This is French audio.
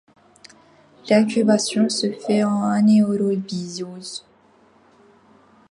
L’incubation se fait en anaérobiose.